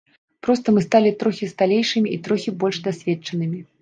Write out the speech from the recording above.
Проста мы сталі трохі сталейшымі і трохі больш дасведчанымі.